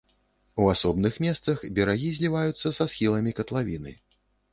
У асобных месцах берагі зліваюцца са схіламі катлавіны.